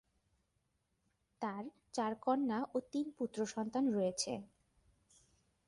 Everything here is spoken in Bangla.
তার চার কন্যা ও তিন পুত্র সন্তান রয়েছে।